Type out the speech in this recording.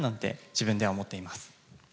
自分では思っています。